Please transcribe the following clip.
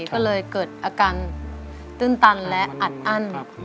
ก็เลยเกิดอาการตื้นตันและอัดอั้น